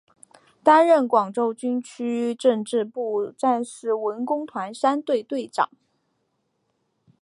担任广州军区政治部战士文工团三队队长。